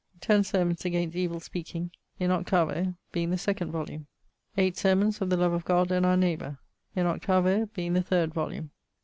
10 Sermons against evil speaking; in 8vo, being the second volume. 8 Sermons of the love of God and our neighbour; in 8vo, being the third volume.